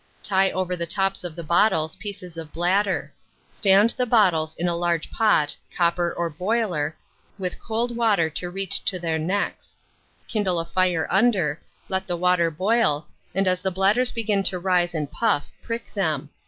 Tie over the tops of the bottles pieces of bladder; stand the bottles in a large pot, copper, or boiler, with cold water to reach to their necks; kindle a fire under, let the water boil, and as the bladders begin to rise and puff, prick them.